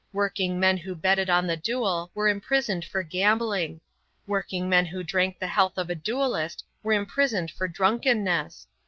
Working men who betted on the duel were imprisoned for gambling. Working men who drank the health of a duellist were imprisoned for drunkenness.